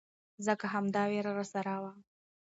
ځکه همدا ويره راسره وه.